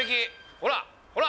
ほら、ほら。